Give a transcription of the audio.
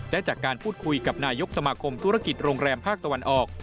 และจากการพูดคุยกับนายกสมาคมธุรกิจโรงแรมภาคตะวันออก